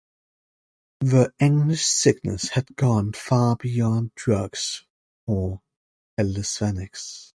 The English sickness had gone far beyond drugs or calisthenics.